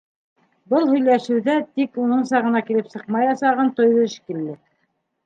Был һөйләшеүҙә тик уныңса ғына килеп сыҡмаясағын тойҙо шикелле: